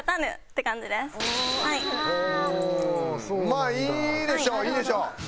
まあいいでしょういいでしょう。